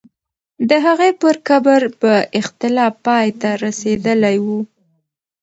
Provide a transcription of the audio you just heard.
د هغې پر قبر به اختلاف پای ته رسېدلی وو.